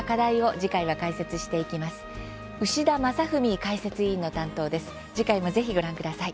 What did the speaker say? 次回もぜひご覧ください。